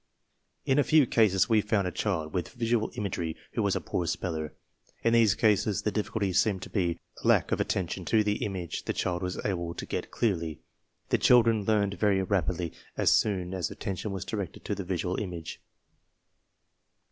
In a few cases we found a child with visual imagery who was a poor speller. In these cases the difficulty seemed to be lack of attention to the image the child was able to get clearly. These children learned very rapidly as soon as attention was directed to the visual image.